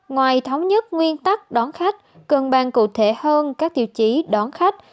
ngoài thống nhất nguyên tắc đón khách cần bàn cụ thể hơn các tiêu chí đón khách